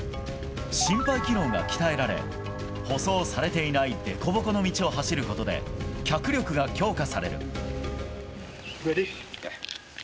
心肺機能が鍛えられ、舗装されていない凸凹の道を走ることで、脚力が強化される。